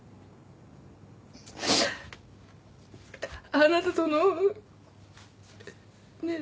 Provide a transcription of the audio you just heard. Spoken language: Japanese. あなたとのねえ。